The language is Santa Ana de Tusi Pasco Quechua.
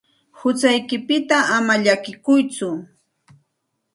Huchaykipita ama llakikuytsu.